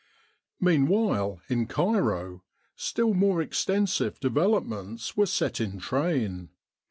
Meanwhile, in Cairo, still more extensive develop ments were set in train.